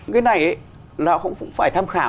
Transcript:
cái này là họ cũng phải tham khảo